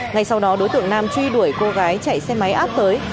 ngay sau đó đối tượng nam truy đuổi cô gái chạy xe máy áp tới